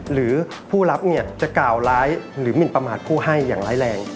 หรือผู้รับเนี่ยจะกล่าวร้ายหรือหมินประมาทผู้ให้อย่างร้ายแรง